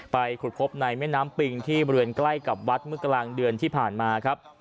ขุดพบในแม่น้ำปิงที่บริเวณใกล้กับวัดเมื่อกลางเดือนที่ผ่านมาครับ